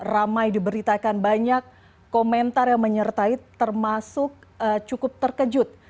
ramai diberitakan banyak komentar yang menyertai termasuk cukup terkejut